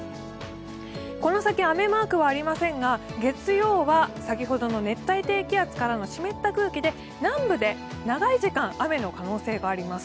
この先、雨マークはありませんが月曜日は先ほどの熱帯低気圧からの湿った空気で南部で長い時間雨の可能性があります。